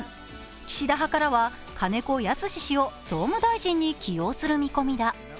岸田派からは金子恭之氏を総務大臣に起用する見込みだ。